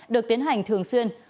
được tiến hành thường xuyên